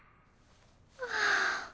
はあ。